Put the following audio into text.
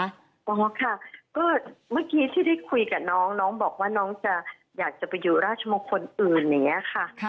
อ๋อค่ะก็เมื่อกี้ที่ได้คุยกับน้องน้องบอกว่าน้องจะอยากจะไปอยู่ราชมงคลอื่นอย่างนี้ค่ะ